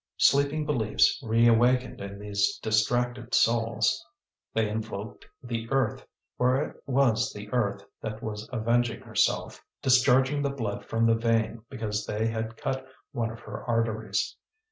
Sleeping beliefs reawakened in these distracted souls; they invoked the earth, for it was the earth that was avenging herself, discharging the blood from the vein because they had cut one of her arteries.